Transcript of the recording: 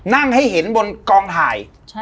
นั่งให้เห็นบนกองถ่าย